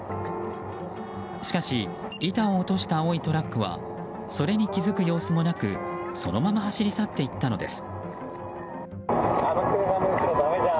しかし、板を落とした青いトラックはそれに気づく様子もなくそのまま走り去っていったのです。